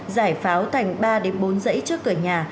giải pháo thành ba bốn giấy trước cửa nhà